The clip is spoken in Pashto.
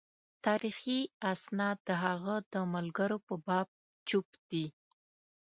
تاریخي اسناد د هغه د ملګرو په باب چوپ دي.